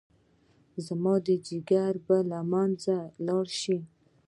ایا زما ځیګر به له منځه لاړ شي؟